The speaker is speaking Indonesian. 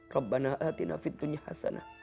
rabbana atina fittunya hasanah